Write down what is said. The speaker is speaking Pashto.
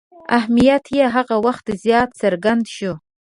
اهمیت یې هغه وخت زیات څرګند شو.